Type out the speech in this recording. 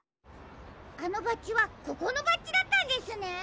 あのバッジはここのバッジだったんですね。